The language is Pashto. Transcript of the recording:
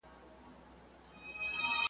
چي نه شرنګ وي د سازیانو نه مستي وي د رندانو .